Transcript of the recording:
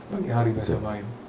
pagi hari biasanya main